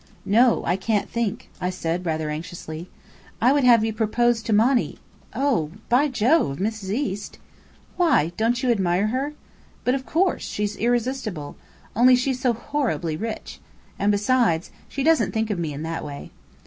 "No, I can't think," I said, rather anxiously. "I would have you propose to Monny." "Oh by Jove, Mrs. East!" "Why don't you admire her?" "But of course. She's irresistible. Only she's so horribly rich. And besides, she doesn't think of me in that way."